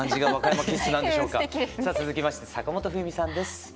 さあ続きまして坂本冬美さんです。